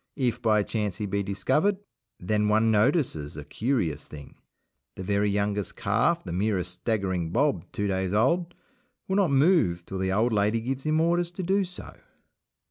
If by chance he be discovered, then one notices a curious thing. The very youngest calf, the merest staggering Bob two days old, will not move till the old lady gives him orders to do so.